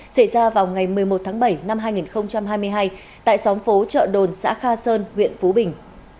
xảy ra vào ngày một mươi một tháng bảy năm hai nghìn hai mươi hai tại xóm phố chợ đồn xã kha sơn huyện phú bình